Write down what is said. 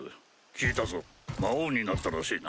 聞いたぞ魔王になったらしいな。